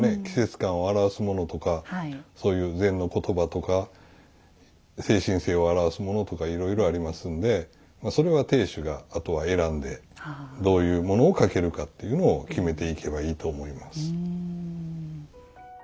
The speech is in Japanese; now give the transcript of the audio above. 季節感を表すものとかそういう禅の言葉とか精神性を表すものとかいろいろありますんでそれは亭主があとは選んでどういうものをかけるかっていうのを決めていけばいいと思います。